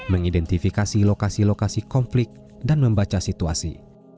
mengidentifikasi lokasi lokasi konflik dan membaca situasi